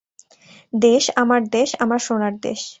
দেশ, আমার দেশ, আমার সোনার দেশ!